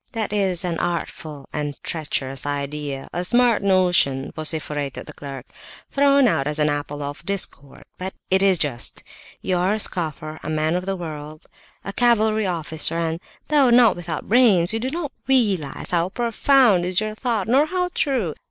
"That is an artful and traitorous idea. A smart notion," vociferated the clerk, "thrown out as an apple of discord. But it is just. You are a scoffer, a man of the world, a cavalry officer, and, though not without brains, you do not realize how profound is your thought, nor how true.